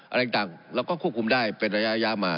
อะไรต่างเราก็ควบคุมได้เป็นระยะมา